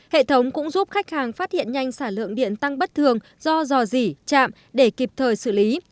hệ thống cũng giúp khách hàng phát hiện nhanh sản lượng điện tăng bất thường do dò dỉ chạm để kịp thời xử lý